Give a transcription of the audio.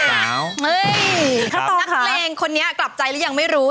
เฮ้ยนักเลงคนนี้กลับใจแล้วยังไม่รู้